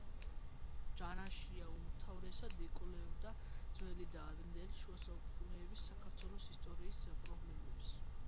ჯანაშია უმთავრესად იკვლევდა ძველი და ადრინდელი შუა საუკუნეების საქართველოს ისტორიის პრობლემებს.